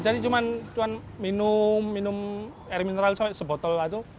jadi cuma minum air mineral sebotol